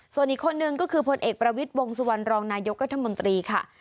ส่วนอีกข้อหนึ่งก็คือผลเอกประวิทย์วงศ์สวรรภ์รองนายกรรธมนตรีค่ะ